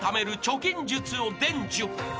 貯金術を伝授］